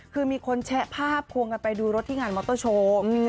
คือมีคนแชะภาพควงกันไปดูรถที่งานมอเตอร์โชว์